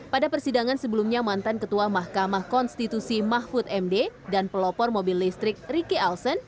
pada persidangan sebelumnya mantan ketua mahkamah konstitusi mahfud md dan pelopor mobil listrik riki alsen